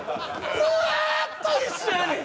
ずーっと一緒やねん！